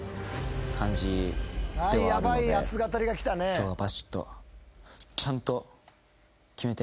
今日はバシッとちゃんと決めて。